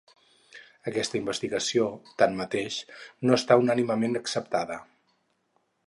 Aquesta investigació, tanmateix, no està unànimement acceptada.